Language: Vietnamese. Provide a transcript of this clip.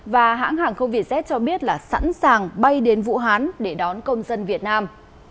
và hãng hàng không vietjet cho biết là sẵn sàng bay đến vũ hán để đón công dân việt nam